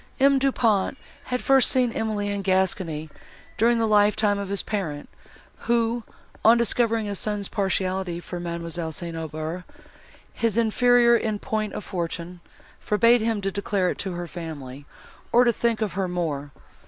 M. Du Pont had first seen Emily in Gascony, during the lifetime of his parent, who, on discovering his son's partiality for Mademoiselle St. Aubert, his inferior in point of fortune, forbade him to declare it to her family, or to think of her more.